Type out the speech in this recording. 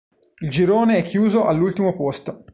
Il girone è chiuso all'ultimo posto.